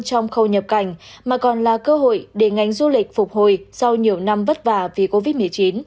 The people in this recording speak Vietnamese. trong khâu nhập cảnh mà còn là cơ hội để ngành du lịch phục hồi sau nhiều năm vất vả vì covid một mươi chín